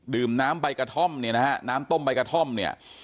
ดื่มน้ำใบกระท่อมเนี่ยนะฮะน้ำต้มใบกระท่อมเนี่ย